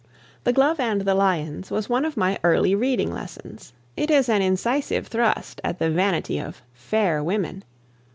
"The Glove and the Lions" was one of my early reading lessons. It is an incisive thrust at the vanity of "fair" women.